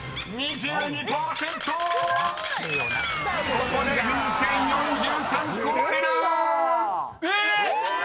［ここで風船４３個割れる！］え！